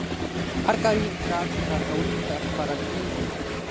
هر کاري اجراات چې کارکوونکي ته سپارل کیږي.